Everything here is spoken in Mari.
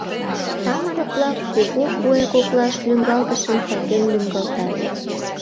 Самырык-влак кугу куэ коклаш лӱҥгалтышым сакен лӱҥгалтат.